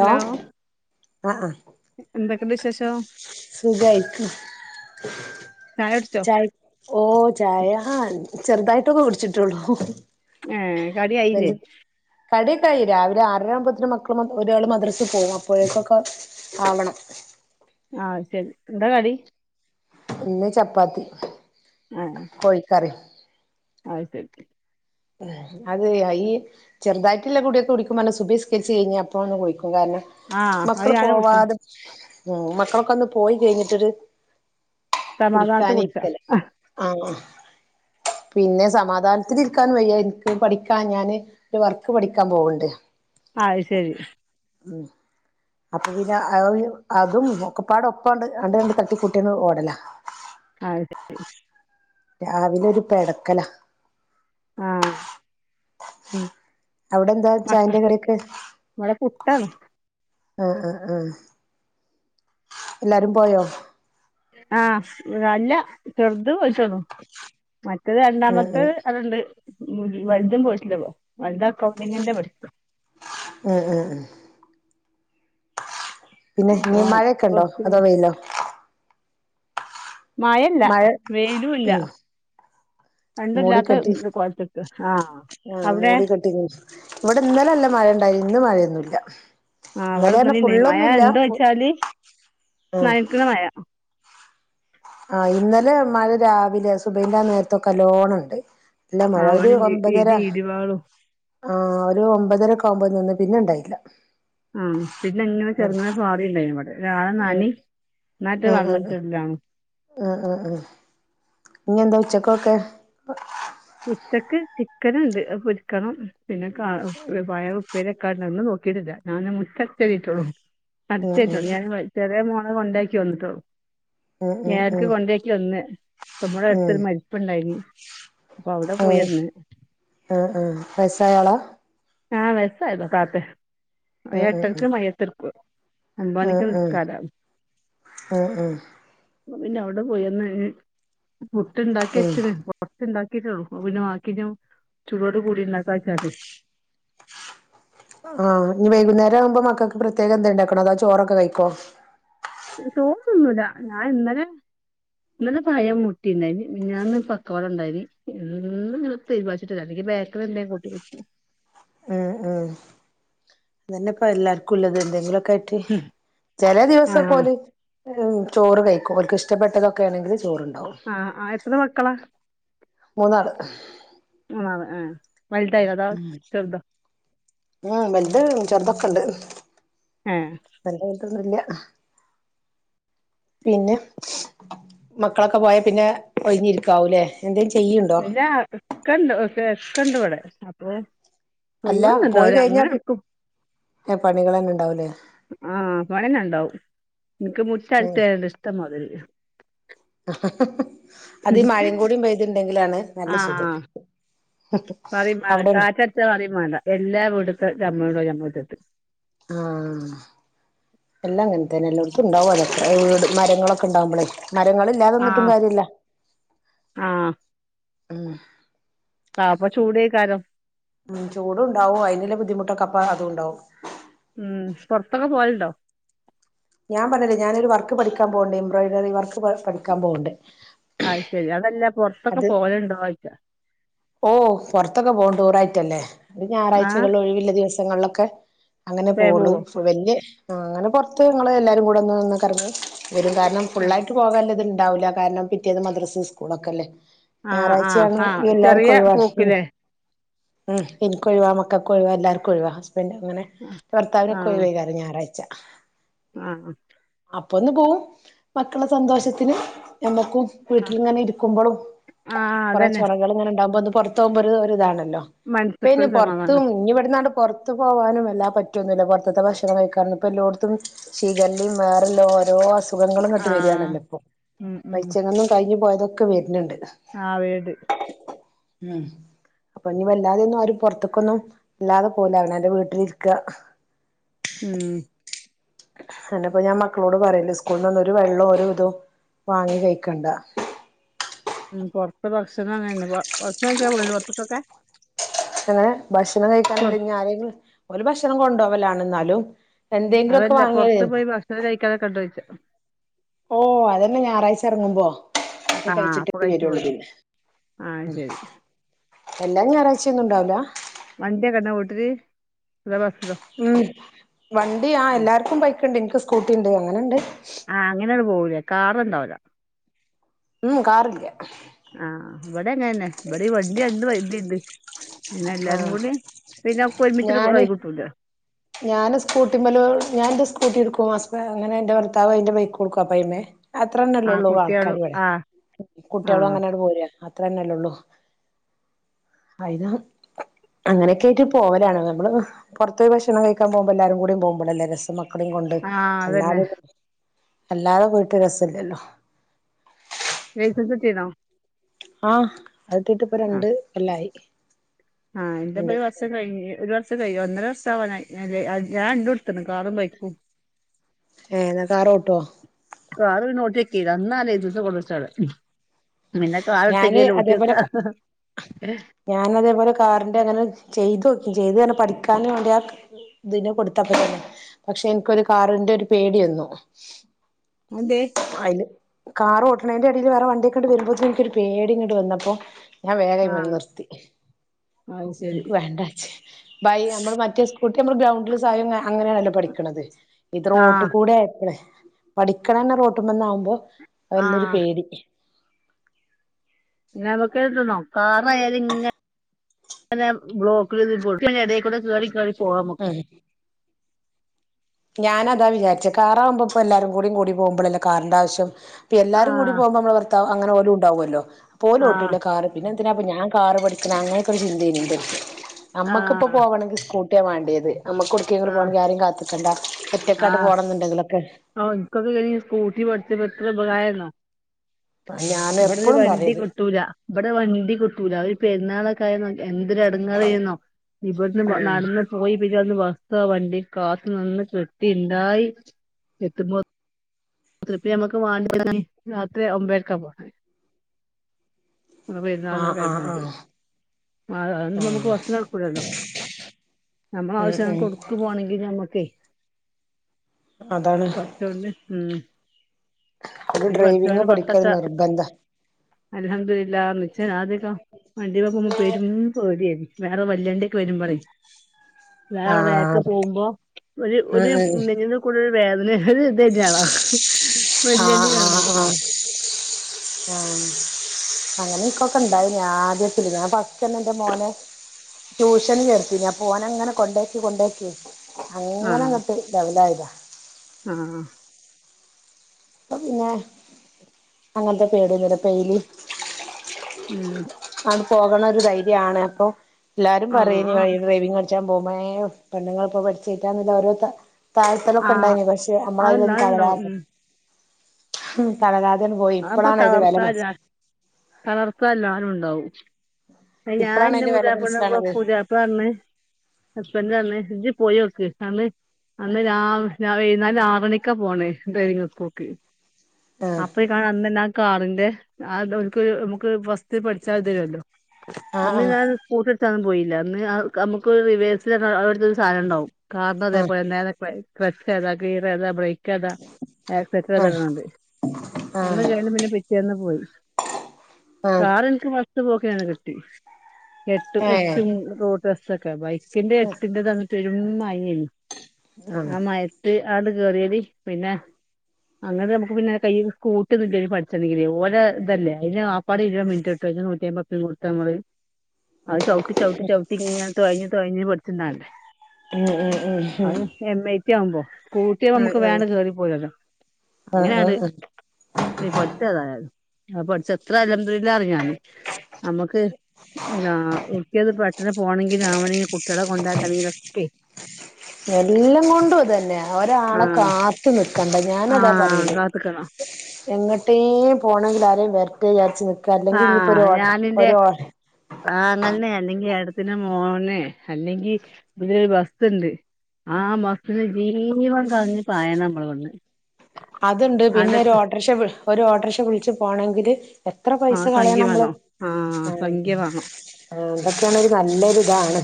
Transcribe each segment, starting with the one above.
Hello ആ എന്തൊക്കെണ്ട് വിശേഷം ആസുഖായി ഉ ചായ ഓ ചായ ആ ചെറുതായിട്ടൊക്കെ കുടിച്ചിട്ടുള്ളൂ ഏ കടി ആയില്ലേ വലു കടിയൊക്കെ ആയി രാവില ആറരാകുമ്പോത്തേന് മക്ക ഒരാള് മദ്രസിൽ പോവും അപ്പോഴേക്കൊക്കെ ആവണം ആ ശരി എന്താ കടി ഇന്ന് ചപ്പാത്തി. കോഴി കറി ആഹ് ശരി അത് ഐ ചെറുതായിട്ടുള്ള കൂടിയൊക്ക കുടിക്ക്പോ പറഞ്ഞ സുബിഹ് നിസ്കരിച്ച് കഴിഞ്ഞ അപ്പ കുടി ക്കും കാരണം ആഹ് അത് മക്കള് ഞാനും കുടിച്ച് പോവാതെ ഉം മക്കളൊക്കെ ഒന്ന് പോയി കഴിഞ്ഞിട്ടൊരു സമാധാനത്ത് കുടിക്കാന കുടിച്ചാ ഇരിക്ൽ ആ ആ പിന്നെ സമാധാനത്തിൽ ഇര് ക്കാൻ വയ്യ എൻക്ക് പഠിക്കാൻ ഞാൻ ഒരു വർക്ക് പഠിക്കാൻ പോവ്ണ്ട് ആ അയ്ശെരി ഉം അപ്പൊ പിന്നെ [unintelligible] അതും ഒക്കെപ്പാടെ ഒപ്പാണ്ട് ആണ്ട് തട്ടി കൂട്ടി ഓടലാ അയ്ശെരി രാവിലെ ഒരു പെടക്കലാ ആഹ് ഉം അവിടെ എന്താ മക്ക ചായെന്റെ കടിയൊക്കെ ഇവിടെ പുട്ടാണ് ആഹ് ആഹ് ആഹ് എല്ലാരും പോയോ? ആഹ് അല്ല ചെറുത് പോയി [unintelligible] മറ്റേത് ഉം രണ്ടാമത്തെ ഉം അത്ണ്ട് ഉം വലുതും പോയിട്ടില്ലപ്പം വലുത് അക്കൗണ്ടിങ്ങിന്റെ പഠിക്കാ ഉം ഉം ഉം പിന്നെ ഇനി ഓൻ മഴൊക്കെ ഉണ്ടോ പ്ലസ്ടു അതോ കഴിഞ്ഞ് വെയിലോ? മഴല്ല മഴ വെയിലും ഇല്ല ഉം രണ്ടും മൂടിക്കെട്ടി ഇല്ലാത്ത കോലത്ത്ക്കാ ആഹ് ആ അവിടെ മൂടിക്കെട്ടി ഇവിടെ ഇന്നലെ നല്ല മഴ ഇണ്ടായി ഇന്ന് മഴയൊന്നൂല്ല ആ ഇവിടെ ഇന്നലെ ഇണ്ടേയിനി മഴ ഇണ്ടോ ചോയിച്ചാല് നനക്കുന്ന മഴ ആ ഇന്നലെ മഴ രാവിലെ സുബൈൻന്റെ ആ നേരത്തൊക്കെ നല്ലോണണ്ട് ഇല്ല ആ മഴ അവിടെ ഒരു ഉണ്ട് ഒമ്പതര ഇടി ഇടിവാളും ആ ഒരു ഒമ്പതരക്കാവുമ്പോനിന്ന് പിന്നെണ്ടായില്ല യം പിന്നെ ഇങ്ങനെ ചെറുന്നനെ പാറില്ലായ്നു വടെ ഒരാള് ഉം നനിം ന്നാറ്റ് ഉം ഉം വെള്ളറ്റുണ്ടായ് ഇഞ്ഞെന്താ ഉച്ചക്കൊക്കെ ഉച്ചക്ക് ചിക്കന്ണ്ട് അത് പൊരിക്കണം പിന്നെ കാ പയറു പ്പേര്യെക്കാണ്ട് അന്നും നോക്കീട്ട്ല്ല ഞാന് മുറ്റട്ച്ചേരീട്ടാെള്ളു ഉം ഉം അട്ച്ചേര്ട്ടാെള്ളു ഞാന് വ ചെറ്യേ മോ അത് കൊണ്ടാക്കി വന്നിട്ടൊള്ളു. ഉം ഉം ഏഴര്ക്ക് ഉം കൊണ്ടയാക്കി വന്ന് ഇപ്പം മ്മടെ ഉം അടുത്തൊരു മരിപ്പുണ്ടായിനി. ഏഹ് ആ ആ വയസായാളാ? ആഹ് വെയ്സ്സായതാ. താത്തെ ആഹ് അയെട്ടര്ക്ക് ആഹ് മയ്യത്ത്ട്ക്കത്. ആഹ് ആഹ് ആഹ് ആഹ് പിന്നെ അവ്ടെ പോയി വന്ന് പുട്ട് ഉണ്ടാക്കി ഉം വച്ചത് [unintelligible] ച്ച് ഉണ്ടാക്കിട്ടൊള്ളൂ. അപ്പപിന്നെ ബാക്കി ഞും ചൂടോട് കൂടി ഉണ്ടാക്കാ വെച്ചാട്ടേ ആഹ് ഇഞ്ഞ് വൈകുന്നേരം ആവുമ്പോ മക്കൾക്ക് പ്രത്യേകം എന്തേ ഉണ്ടാക്കണൊ അതാ ചോറൊക്കെ കഴിക്കോ? തിന്നൂല്ല. ഞാൻ ഇന്നലെ ഇന്നലെ പഴം മുട്ടിണ്ടായിനി മിഞ്ഞാന്ന് പക്കവട ഉണ്ടായിനി ഇന്ന് ഇങ്ങനെ തീരുമാനിച്ചിട്ടില്ല അല്ലെങ്കി ബേക്കറി എന്തേ കൂട്ടി കൊട്ക്കും അതന്നെപ്പ എല്ലാർക്കുല്ലത് എന്തെങ്കിലൊ ക്കായ്ട്ടി ചെലെ ആഹ് ദിവസക്കോല് ചോറ് കഴിക്കും ഓൽക്ക് ഇഷ്ടപ്പെട്ടതൊക്കെണെങ്കില് ചോറ് ആഹ് ആഹ് എത്ര മക്കളാ? മൂന്നാള് മൂന്നാള് ഏഹ് വല്തായിനതോ ചെറ്തോ? ഉം വല്ത് ചെറ്തൊക്കെ ണ്ട് ആഹ് പ്പൊന്നുല്യ പിന്നെ മക്കളൊക്കെ പോയാ പിന്നെ ഒഴിഞ്ഞിരിക്കാവൂലേ എന്തേ ചെ ഇല്ല ഇക്കണ്ട് [unintelligible] ഇക്കണ്ട് വടെ അപ്പൊ അല്ല പോയി ഒയിവൊന്നുണ്ടാവൂല കഴിഞ്ഞാ അങ്ങനെട്ക്കും പണികൾ തന്നെ ഉണ്ടാവൂലേ ആഹ് പണ്യെ നെണ്ടാവും ഇൻക്ക് ഉം മുറ്റടിച്ചേരാണ്ട് ഇഷ്ടംമാതിരി അത് ഈ മഴയും കൂടി പെയ്തുണ്ടെങ്കിലാണ് നല്ല ആ സുഖം പറിം മാണ്ട അവിടെണ്ട് കാറ്റട്ച്ച പറിം മാണ്ട എല്ല വീട്ട്ത്തെ ചമ്മലുണ്ടാവും ഞമ്മളെ മുറ്റത്ത്. ആഹ് എല്ലാം അങ്ങൻ തെന്നെ എല്ലോട്ത്തുണ്ടാവും അതൊക്കെ വീട് മരങ്ങളൊക്കെ ണ്ടവുമ്പളെ മരങ്ങള് ഇല്ലാത് ന്ന്ട്ടും ആഹ് കാര്യല്ല ആഹ് ഉം- ആഹ് അപ്പൊ ചൂടേക്കാരം ഉ ചൂടുണ്ടാവും അയിന്ള്ള ബുദ്ധിമുട്ടൊക്കോപ്പ അതും ഉണ്ടാവും- ഉം പൊറത്തൊക്കെ പോവലണ്ടോ- ഞാൻ പറഞ്ഞില്ലേ ഞാനൊരു വർക്ക് പഠിക്കാൻ പോവണ്ട് എംബ്രോയിഡറി വർക്ക് പഠിക്കാൻ പോുന്നുണ്ട്- ആ് ശരി അതെല്ല- അത് ഓ പുറത്തൊക്കെ പോണ്ടൂ റ്റു റായി- അല്ലേ ആഹ് ഞായറാഴ്ചകൾ ഒഴിവില്ല ദിവസ- ങ്ങളൊക്കെ- അങ്ങനെ തെ പോളു പോവോ സുകന്യ ആ അങ്ങനെ പുറത്ത് നിങ്ങള് എല്ലാരും കൂടെ ഒന്ന്ന്നൊ കറങ്ങി വരും കാരണം ആഹ് ഫുളളായിട്ട് പോകാള്ളത് ഇ ഉണ്ടാവില്ല കാരണം പിറ്റേന്ന് മദ്രസ് സ്കൂളൊക്കെ അല്ലേ- ആഹ് ആഹ് ഞായറാഴ്ചയാണ് ആഹ് ചെറിയ എല്ലാർക്കും ഒഴിവാണ്- ഉം പോക്ക്ലേ ഇനിക്കൊഴിവാ മക്കക്ക് ഒഴിവാ എല്ലാർക്കും ഒഴിവാ- അങ്ങനെ ഭർത്താവിനക്കെ ആഹ് ഒഴിവാ അത് ഞായാറാ- ച്ച [unintelligible] ആഹ് അപ്പൊന്ന് പോവും മക്കളെ സന്തോഷത്തിന് നങ്ങക്കും- ആഹ് വീട്ടിലിങ്ങനെ ഇരിക്കുമ്പോ ആഹ് കുറേ അതന്നെ ചെറകൾ ഇങ്ങനെ - ഉണ്ടാവുബോ പുറത്ത് മ്പോ ഒരു രു താണ്- ലോ എപ്പയിന് മനസ്സ്ക്കൊരു പൊറത്തും സമാധാനം ഇനി ഇവിടുന്നാട് പുറത്തു പോവാനും എല്ല- പറ്റൊന്നുമില്ല പുറത്തത്തെ ഭക്ഷണം കഴിക്കാറ ഇപ്പ എല്ലോയിടത്തും ഷികല്ലി വേറല്ല ഓരോ സുഖങ്ങളുംന്നിട്ട് ആഹ് വരികയാണല്ലോ ഇപ്പൊ ഉം പൈച്ചങ്ങന്നും കഴിഞ്ഞു പോയതൊക്കെ- ഒക്കെ വര്ണ് ണ്ട് ആ വേട് ഉം അപ്പൊ ഇനി വല്ലാതെയ ഒന്നും ആര പുറത്തേക്കൊന്നും വല്ലാതെ പോകുലാ അവനാന്റെ വീട്ടിലിരിക്ക ഉംമ് അതന്നെപ്പം ഞാൻ മക്കളോട് പറല് സ്കൂൾന്നന്നും ഒരു വെള്ളം ഒരു ഇതും വാങ്ങി കഴിക്കണ്ട ഉമ് പുറത്ത്ഭക്ഷണം അങ്ങനണ്ട് ഭക്ഷണം കഴിക്കാൻ പോകാറുണ്ടോ പുറത്തൊക്കെക്കെ അങ്ങനെ ഭക്ഷണം കഴിക്കാനല്ല ഇങ്ങനെ ആരെങ്കിലും ഒരു ഭക്ഷണം കൊണ്ടപോവലാണ എന്നാലും എന്തെങ്കിലുമൊക്കെ അതല്ല വാങ്ങിയാലേ പുറത്ത് പോയി ഭക്ഷണം കഴിക്കലൊക്കെ ഉണ്ടോ ചോദിച്ച ഓ അതന്നെ ഞായറാഴ്ച ഇറങ്ങുമ്പോ ഒക്കെ ആഹ് അപ്പൊ കഴിച്ചിട്ടൊക്കെ കഴിച്ചു പോരും വരൊള്ളുത് ആഹ് ശരി എല്ലാം ഞായറായ്‌ച്ചഒന്നും ഉണ്ടാവില്ല വണ്ടി ഒക്കെ ഉണ്ടോ വീട്ടിൽ ഉം വണ്ടി ആ ആഹ് എല്ലാർക്കും ബൈക്ക് ണ്ട് ഇൻ ക്ക് സ്കൂട്ടി ണ്ട് അങ്ങനെ ണ്ട്. ആഹ് അങ്ങനാണ്ട് പോവൂല്ലേ കാറ് ണ്ടാവൂല്ല ഉം കാറില്ല ഇവടങ്ങനെന്നെ ഇബടെ ഈ വണ്ടി രണ്ട് വണ്ടിണ്ട് പിന്നെ ആ എല്ലാരും കൂടി പിന്നെ ഒക്കൊരുമിച്ചിട്ട് തായി കിട്ടൂല. ഞാൻ സ്കൂട്ടിമ്മല് ഞാൻ എന്റെ സ്കൂട്ടി എടുക്കും ഹസ് അങ്ങനെ എന്റെ ഭർത്താവ് അതിന്റെ ബൈക്ക് എടുക്കും ആപ്പ്അയ്മല് അത്രന്നെല്ലെ ആഹ് ഒള്ളൂ കുട്ടികളും ആൾക്കാര് ഇവിടെ ആഹ് കുട്ടികളും ആഹ് അങ്ങനെ അങ്ങട്ട് പോര അത്ര തന്നെല്ലള്ളു ആയിനാ അങ്ങനെയൊക്കെ ആയിട്ട് പോവലാണ് നമ്മള് പുറത്ത പോയി ഭക്ഷണം കഴിക്കൻ പോവുബോൾ എല്ലാവരും കൂടി പോവുമ്പോല്ലേ രസക്കൊ മക്കളകൊണ്ട് ആഹ് അതന്നെ അല്ലാതെന്നും അല്ലാതെ പോയിട്ട് രസല്ലല്ലോ ലയ്സൻസ് കിട്ടീണോ ആ അത് കിട്ടീട്ട് പ്പം രണ്ട് കൊല്ലായി ആഹ് എന്റെപ്പം രണ്ട് ഒരു വർഷം കഴിഞ് ഒരു വർഷം ഒന്നര വർഷം ആവാനായി ഞാൻ രണ്ടും എടുത്തണ് കാറും ബൈക്കും ഏ എന്നാ കാറോട്ടോ കാർ പിന്നെ ഓട്ടിനോക്കിയില്ല അന്നാ ലെയ്സൻസ് കൊണ്ട് വച്ചതാ ഞാന് അതേപോലെ അതെന്തേ ഞാൻ അതേപോലെ കാറിൻന്റെ അങ്ങനെ ചെയ്തോക്കി ചെയ്ത് ന്ന് പറഞ്ഞാ പഠിക്കാനും വേണ്ടി ആ ഇതിന കൊടുത്തപ്പന്നെ പക്ഷെ എനിക്കൊരു കാറിന്റെ ഒരു പേടി വന്നു അതെന്തേ അതില് കാർ ഓട്ട് ണേന്റെ ഇടയിൽ വേറെ വണ്ടിയൊക്കെണ്ട് വരുമ്പോത്തന്നെ എനിക്കൊരു പേടിങ്ങട്ട് വന്നപ്പോ ഞാൻ വേഗം അയ്മന്ന് ആഹ് നിർത്തി അത് ശരി എനിക്ക് വേണ്ടച്ച് ബൈ നമ്മള് മറ്റേ കുട്ടി അമ്മള ഗ്രൗണ്ടില് [unintelligible] അങ്ങനെയണല്ലോ പഠിക്കണത്. ഇത് റോട്ട് ആഹ് കൂടെ ആയപ്പളെ പഠിക്ക് [unintelligible] റോട്ടുമേന്നാവുമ്പോ വല്ലോരു ആഹ് പേടി നമുക്കേത് നോക്കറായാലും ഇങ്ങനെ ബ്ലോക്കിൽ [unintelligible] പോവാന്നൊക്കെ ഉം ഞാനതാ വിചാരിച്ചെ കാറാകുമ്പോ ഇപ്പോ എല്ലാരും കൂടി, കൂടി പോകുമ്പളല്ലേ കാറിന്റെ ആവശ്യം ഇപ്പ ആ എല്ലാരും കൂടി പോകുമ്പോ അമ്മള ഭർത്താവ് അങ്ങനെ ഒരു ഉണ്ടവുമല്ലോ ആ പോലോട്ടുല്ല കാറ് പിന്നെ [unintelligible] ഞാൻ കാറ് പഠിക്കണ അങ്ങനെക്കെ ഒരു ചിന്ത ഇനി ഒണ്ട് ആ നമ്മക്ക് ഇപ്പ പോവണെങ്കി സ്കൂ [unintelligible] വാണ്ടിയത് നമുക്കോട്ക്കേങ്കിലും പോണങ്കി ആരേയും കാത്ത് ക്കണ്ടാ ആ ആ ഇൻക്കത് കഴിഞ്ഞ് സ്കൂട്ടി പഠിച്ചപ്പ എത്ര ഉപകാരന്ന അ ഞാന് ഇബടൊരു എപ്പളും വണ്ടി പറയത് കിട്ടൂല ഇബടെ വണ്ടി കിട്ടൂല ഒരു പെരുന്നാള കൈ നോക്കി എന്തൊരെടെങ്ങറേയ്ന്നോ ഇബട്ന്ന് [unintelligible] ഉം നട്ന്ന് പോയി [unintelligible] ബസ്സോ വണ്ടി കാത്ത് നിന്ന് കി ട്ടി ണ്ടായി എത്തുമ്പോ എത്രുപ്പിയേ ഞമ്മക്ക് വാണ്ടി [unintelligible] രാത്രി ഒമ്പേരക്ക പോണത് മ്മളെ പെരുന്നാള് ആഹ് അത്‌ ആഹ് കഴിഞ്ഞാല് ആഹ് അത് [unintelligible] നമുക്ക് ആഹ് വസ്ത്രംടുക്കൂല്ലല്ലോ ഉം നമ്മളാവ്ശ്യം ഉം കൊടുക്കുപോണെങ്കിൽ നമ്മുക്കേ അതാണ് പറ്റൊണ്ട് ഉം ഒരു ഡ്രൈവിങ്ങ് പഠിക്കല് നിർബന്ധാ അൽഹംദുലില്ലാ മിച്ചൻ ആദ്യൊക്കെ വണ്ടി മ്മേ പോവുമ്പോ പെരും പേട്യേനി വേറെ വല്യ ണ്ട്യൊക്കെ വെരുമ്പളേ വേറെ വേക്ക് ആഹ് പോവുമ്പോ ഉം ഒര്ഒര് ഉം നെഞ്ൻ്റെയ് കൂടെ വേദന ഒര് ഇതെന്നാണ് വെല്ല്യണ്ടി ആഹ് കാണ് ആഹ് മ്പോത്തിന് ആഹ് ആഹ് അങ്ങനെ ഇൻക്കൊക്കെ ണ്ടായി നി ആദ്യ [unintelligible] ഞാ ഫസ്റ്റെന്നെ ഇൻ്റെ മോനെ ട്യൂഷന് ചേർത്തിണ് അപ്പോനെങ്ങനെ കൊണ്ട്യെക്കി കൊണ്ട്യെക്കി അങ്ങനെങ്ങട്ട് ലെവലായതാ ആ ഇപ്പപിന്നെ അങ്ങനത്തെ പേട്യൊന്നുല്ല ഇപ്പെയ്‌ലിം ഉം ണ്ട് പോകണൊരു ധൈര്യണ് അപ്പൊ എല്ലാരും ആഹ് പറയേനി ആഹ് [unintelligible] ഡ്രൈവി ച്ചാം പൊവുമ്പോ ഏ പെണ്ണ്ങ്ങളിപ്പോ പഠിച്ചയ്റ്റാ ന്ന്ള്ള ഓരോ ത ഴ്ത്തലൊക്കെ ആഹ് ണ്ടാവും പക്ഷെ അതെന്താ അമ്മളയിലൊന്നും ത അത്ണ്ടാവും ളരാതെ ഉം [unintelligible] ഉം തളരാ ആപ്പൊ തളർത്താൻ ല്ലാ തളർത്താല്ലാരുണ്ടാവും ഞാൻ ഇപ്പളാണ് ഇന്ന് അതിന്റെ വെല പൂജാപ്പ മനസ്സിലാവണത് പൂജാപ്പ പറന്നു ഹസ്ബൻഡന്നെമ്മേ ജ് പോയി വോക്ക് അ അന്ന് [unintelligible] ആറരക്കാ പോണേ ട്രെനിങ് വക്കോക്ക ആഹ [inaudible] ഇ കാ അന്ന തന്നെ ആ കാറിന്റെ ആ നമുക്ക് ഫസ്റ്റ് പഠിച്ചാൽ തരുല്ലോ ആഹ് [unintelligible] പോയില്ല അന്ന് നമുക്ക് ഒരു റിവേഴ്സൽ അവിടുത്തെ ഒരു സാധനംണ്ടാവും കാരണം ആഹ് അതേപലെ തന്നെ കക്സ് അത കീർ അതാ ബ്രേക്ക് അതാ ആഹ് [unintelligible] ആഹ് [unintelligible] ആഹ് പിന്നെ പിറ്റെന്ന് പോയി ആഹ് കാര എനിക്ക് ഇ പോക്കയാണ് കിട്ടി എട്ട് എച്ച ഏഹ് റോ ബസ്സക്കെ ബായി ആഹ് [unintelligible] പെരു മയ അന് ഉം ആമാ ട്ട് ആട് കേറിയ പിന്നെ അങ്ങനെ നമുക്ക് പിന്നെ കൈ സ്കൂ കട്ട പഠിച്ചിണ്ടെങ്കിലീ ഓല ഇതല്ലേ അതിന് ആപ്പാട് ഇരുപത് മിനിറ്റ് ഇട്ട് നൂറ്റി അമ്പത്തി കൊടുത്ത് നമ്മള് അത് ചവിട്ട ചവിട്ടി ചവിട്ടി തഴി തഴിഞ് പഠിച്ചിണ്ടേ ഉം ഉം ഉം എയാമ്പോ കൂട്ടിയ നമുക്ക് വേണ്ട ചോറി പോയല്ലോ ആ ആ ആ പൊഠിച്ച അതായാലരുന്നു ആ പൊഠിച്ച എത്ര അല്ലല്ലറ ഞാന് നമ്മുക്ക്ട് പെട്ടെന്ന് പോകണമെങ്കിലിൽ രാവണെ കുട്ടികളെ കൊണ്ടാക്കണെങ്കിലൊക്കെ എല്ലാം കൊണ്ടുംതന്നെ ആ ഒരാളെ കാത്തു നിക്കണ്ട ഞാന ആ അതാ പറയില് കാത്ത്ക്കണം എങ്ങട്ടേും പോണമെങ്കിൽ ആരെയും വെർട്ടചരിച്ച് നീ ആ ഞാനിന്റെ തങ്ങന്ന ഏടത്തിന്റെ മോനെ അല്ലെങ്കി ഇരു ബസ്ണ്ട് ആ ബസ്സിന് ജീവൻ കളഞ്ഞു പയം നമ്മള് കിടന്ന് അതുണ്ട് പിന്നെ ഒരു ഓഡ്രഷബ- ഒരു ഓട്ടോറിക്ഷ വിളിച്ച് പോകണമെങ്കിൽ എത്ര ആ പൈസ കളയണം സംഖ്യ നമ്മള് വേണം ആ സംഖ്യ വേണം ആ എന്തൊക്കെയാണ് നല്ലൊരു ഇതാണ്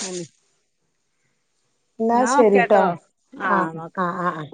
ഉം എന്നാ ശരിട്ടോ ആ എന്നാ ഓക്കെ ആ ആ ആ